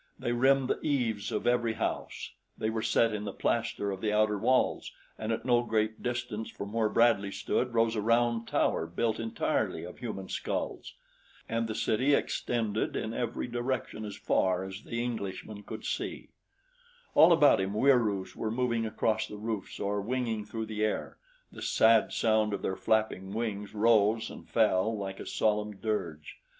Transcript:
They rimmed the eaves of every house, they were set in the plaster of the outer walls and at no great distance from where Bradley stood rose a round tower built entirely of human skulls. And the city extended in every direction as far as the Englishman could see. All about him Wieroos were moving across the roofs or winging through the air. The sad sound of their flapping wings rose and fell like a solemn dirge.